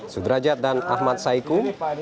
sudrajat dan ahmad saiku